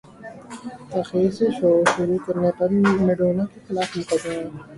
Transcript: تاخیر سے شو شروع کرنے پر میڈونا کے خلاف مقدمہ